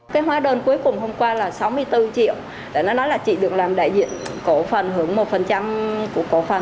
cái hóa đơn cuối cùng hôm qua là sáu mươi bốn triệu đã nói là chị được làm đại diện cổ phần hưởng một của cổ phần